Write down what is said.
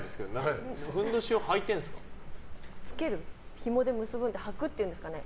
ひもでつけるんではくっていうんですかね。